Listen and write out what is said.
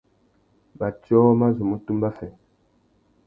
Matiō mà zu mú tumba fê.